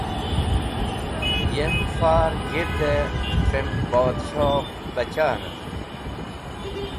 Yem far g̃hirde trem podshobacha nag.